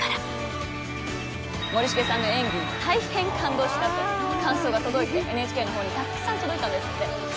森繁さんの演技に大変感動したと感想が届いてＮＨＫのほうにたくさん届いたんですって。